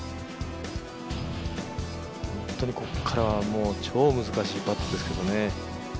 本当に、ここからは超難しいパットですけどね。